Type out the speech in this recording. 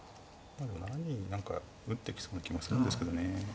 ７二に何か打ってきそうな気もするんですけどね。